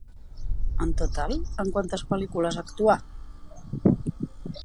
En total, en quantes pel·lícules actuà?